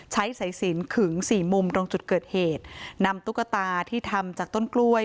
ใช้สายสินขึงสี่มุมตรงจุดเกิดเหตุนำตุ๊กตาที่ทำจากต้นกล้วย